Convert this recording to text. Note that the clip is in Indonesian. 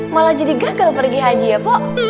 malah jadi gagal pergi haji ya pak